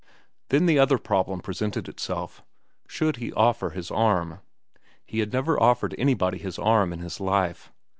Then the other problem presented itself. Should he offer her his arm? He had never offered anybody his arm in his life.